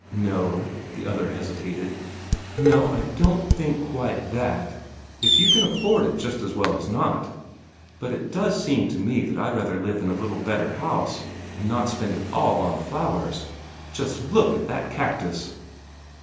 "No o," the other hesitated. "No, I don't think quite that if you can afford it just as well as not. But it does seem to me that I'd rather live in a little better house, and not spend it ALL on flowers. Just LOOK at that cactus!"